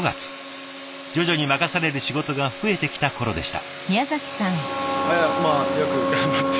徐々に任される仕事が増えてきた頃でした。